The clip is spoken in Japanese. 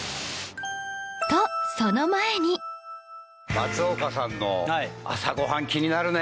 松岡さんの朝ごはん気になるね。